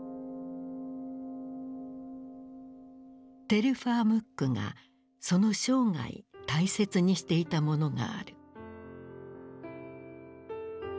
テルファー・ムックがその生涯大切にしていたものがある。